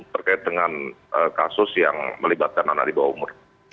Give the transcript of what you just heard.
berkait dengan kasus yang melibatkan anak riba umur